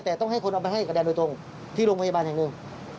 แต่ต้องให้คนเอาไปให้กับแดนโดยตรงที่โรงพยาบาลแห่งหนึ่ง